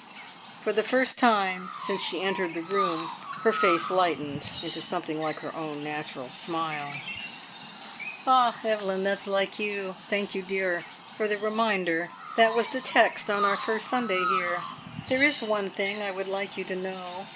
For the first time since she entered the room her face lightened into something like her own natural smile. "Ah, Evelyn, that's like you! Thank you, dear, for the reminder. That was the text on our first Sunday here. There is one thing I would like you to know.